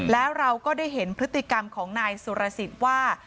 แล้วเราก็ได้เห็นพฤติกรรมของนายสุรสิทธิ์ว่า